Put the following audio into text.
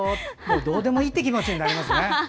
どうでもいいって気持ちになりますね。